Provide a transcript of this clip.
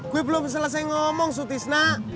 gue belum selesai ngomong sutisna